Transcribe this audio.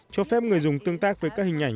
cho phép người dùng tương tác với các hình ảnh